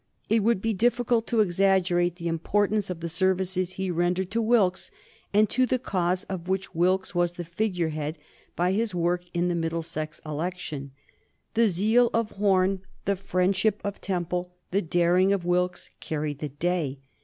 It would be difficult to exaggerate the importance of the services he rendered to Wilkes and to the cause of which Wilkes was the figurehead by his work in the Middlesex election. The zeal of Horne, the friendship of Temple, the daring of Wilkes carried the day.